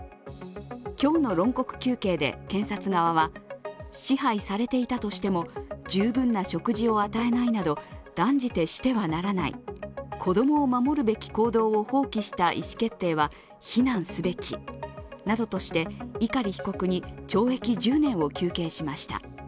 今日の論告求刑で検察側は、支配されていたとしても十分な食事を与えないなど断じてしてはならない子供を守るべき行動を放棄した意思決定は非難すべきなどとして碇被告に懲役１０年を求刑しました。